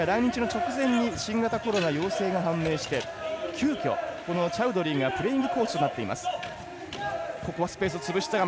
監督が来日の直前に新型コロナ陽性が決まって急きょ、チャウドリーがプレイングコーチとなっています。